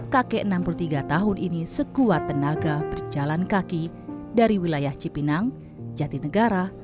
kakek enam puluh tiga tahun ini sekuat tenaga berjalan kaki dari wilayah cipinang jatinegara